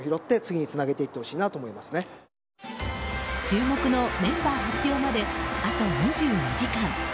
注目のメンバー発表まであと２２時間。